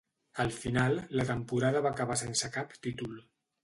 Al final, la temporada va acabar sense cap títol.